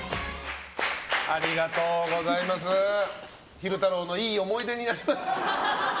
昼太郎のいい思い出になります。